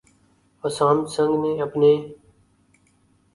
اسام سنگ نے اپنے